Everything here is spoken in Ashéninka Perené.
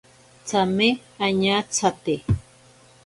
Tsame añatsate.